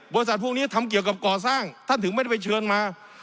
พวกนี้ทำเกี่ยวกับก่อสร้างท่านถึงไม่ได้ไปเชิญมา